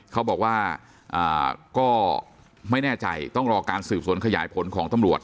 เขาบอกว่าก็ไม่แน่ใจต้องรอการสืบสวนขยายผลของตำรวจ